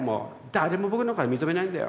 誰も僕なんか認めないんだよ。